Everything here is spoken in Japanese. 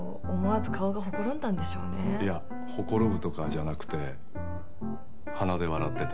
いやほころぶとかじゃなくて鼻で笑ってた。